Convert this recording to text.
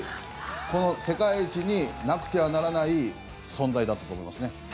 この世界一になくてはならない存在だったと思いますね。